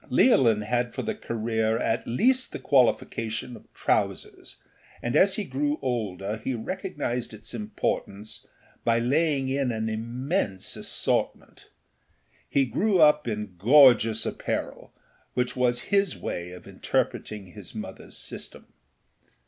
Leolin had for the career at least the qualification of trousers, and as he grew older he recognised its importance by laying in an immense assortment. He grew up in gorgeous apparel, which was his way of interpreting his motherâs system.